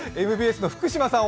ＭＢＳの福島さん